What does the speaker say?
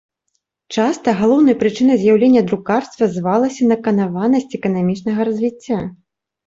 Часта галоўнай прычынай з'яўлення друкарства звалася наканаванасць эканамічнага развіцця.